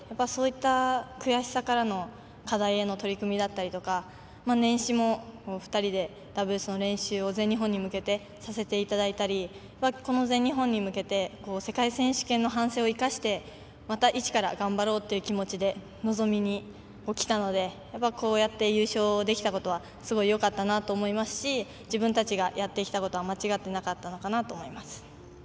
そういった悔しさからの課題への取り組みだったりとか年始も、２人でダブルスの練習を全日本に向けてさせていただいたりこの全日本に向けて世界選手権の反省を生かしてまた一から頑張ろうという気持ちで臨みにきたのでこうやって優勝できたことはすごいよかったなと思いますし自分たちがやってきたことは間違ってなかったのかなと思います。